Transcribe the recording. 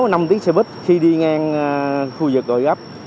chúng tôi có tiến xe buýt khi đi ngang khu vực gò dắp